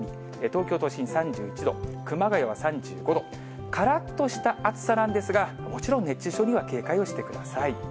東京都心３１度、熊谷は３５度、からっとした暑さなんですが、もちろん熱中症には警戒をしてください。